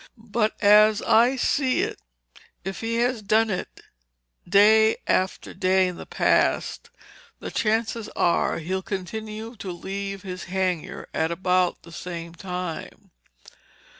But, as I see it, if he has done it day after day in the past, the chances are he'll continue to leave his hangar at about the same time.